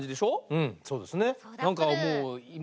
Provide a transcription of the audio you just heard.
うんそうですね。